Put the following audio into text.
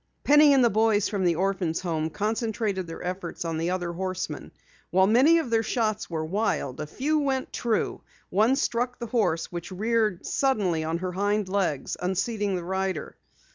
Penny and the boys from the orphans' home concentrated their efforts on the other horseman. While many of their shots were wild, a few went true. One struck the horse which reared suddenly on her hind legs, unseating the rider.